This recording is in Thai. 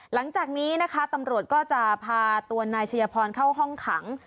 หลังจากนี้นะคะตำรวจก็จะพาตัวนายชัยพรเข้าห้องขัง